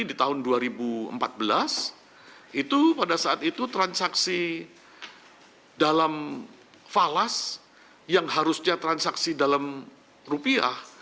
jadi di tahun dua ribu empat belas pada saat itu transaksi dalam falas yang harusnya transaksi dalam rupiah